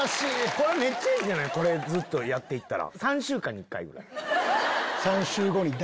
これめっちゃいいじゃないこれずっとやっていったら。